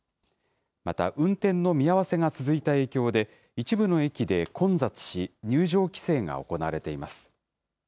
また、運転の見合わせが続いた影響で、一部の駅で混雑し、入場規制が行われています。